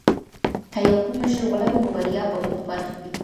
که يو پوه مشر ولرو نو بريا به مو په برخه وي.